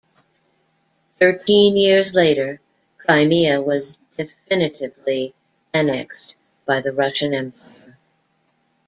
Thirteen years later, Crimea was definitively annexed by the Russian Empire.